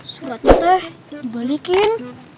suratnya teh dibalikin